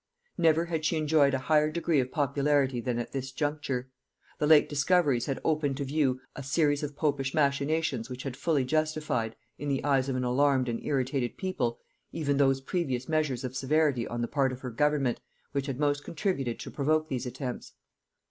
Never had she enjoyed a higher degree of popularity than at this juncture: the late discoveries had opened to view a series of popish machinations which had fully justified, in the eyes of an alarmed and irritated people, even those previous measures of severity on the part of her government which had most contributed to provoke these attempts.